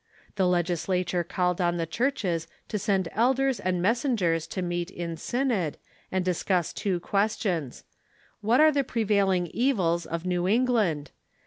The legislature called on the churches to send ciders and messengers to meet in synod, and discuss two questions — What are the prevailing evils of New England?